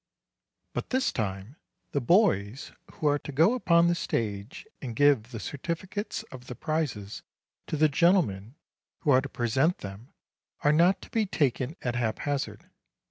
But this time the boys who are to go upon the stage and give the certificates of the prizes to the gentlemen who are to present them are not to be taken at haphazard.